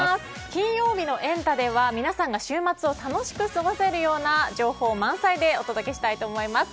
金曜日のエンタ！では皆さんが週末を楽しく過ごせるような情報満載でお届けしたいと思います。